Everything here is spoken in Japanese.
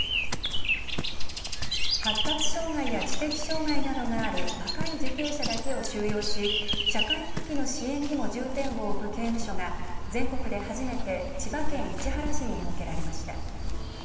発達障害や知的障害などがある若い受刑者だけを収容し社会復帰の支援にも重点を置く刑務所が全国で初めて千葉県市原市に設けられました。